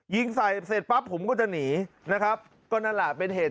ยิงใส่เสร็จปั๊บผมก็จะหนีนะครับก็นั่นแหละเป็นเหตุ